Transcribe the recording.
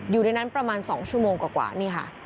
อยู่ในนั้นประมาณ๒ชั่วโมงกว่านี่ค่ะ